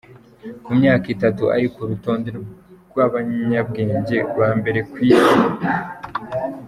Ku myaka itatu ari ku rutonde rw’abanyabwenge ba mbere ku isi